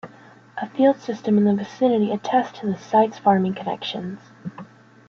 A field system in the vicinity attests to the site's farming connections.